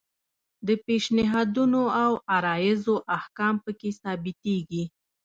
د پیشنهادونو او عرایضو احکام پکې ثبتیږي.